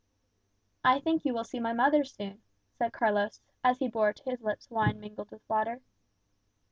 "I think you will see my mother soon," said Carlos, as he bore to his lips wine mingled with water.